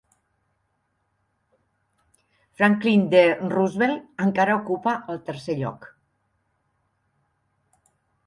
Franklin D. Roosevelt encara ocupa el tercer lloc.